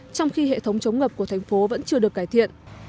trong khi hệ thống chống ngập của thành phố vẫn chưa được cải thiện